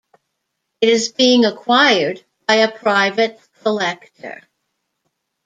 It is being acquired by a private collector.